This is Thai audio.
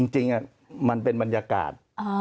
จริงมันเป็นบรรยากาศ